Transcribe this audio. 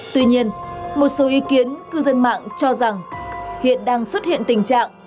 tuy nhiên một số ý kiến cư dân mạng cho rằng hiện đang xuất hiện tình trạng